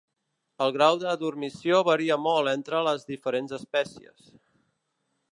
El grau de dormició varia molt entre les diferents espècies.